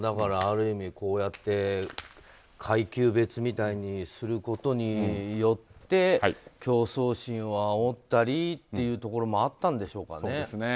ある意味、こうやって階級別みたいにすることによって競争心をあおったりというところもあったんでしょうかね。